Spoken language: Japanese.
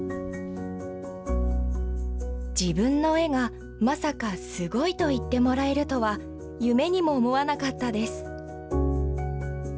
自分の絵がまさかすごいと言ってもらえるとは、夢にも思わなかったです。